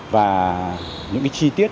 và những cái chi tiết